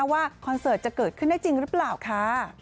คอนเสิร์ตจะเกิดขึ้นได้จริงหรือเปล่าค่ะ